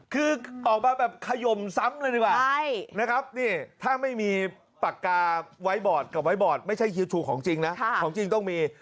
คือออกมาแบบขยมซ้ำเลยดีกว่านะครับนี่ถ้าไม่มีปากกาไว้บอร์ดกับไว้บอร์ดไม่ใช่ฮิวชูของจริงนะของจริงต้องมี